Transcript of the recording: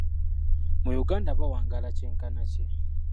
Mu Uganda bawangaala kyenkana ki?